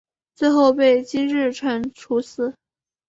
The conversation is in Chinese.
最后被金日成处死。